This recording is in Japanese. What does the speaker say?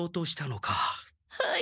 はい。